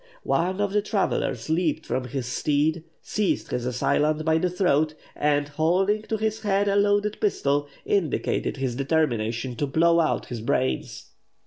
One of the travellers leaped from his steed, seized his assailant by the throat, and, holding to his head a loaded pistol, indicated his determination to blow out his brains.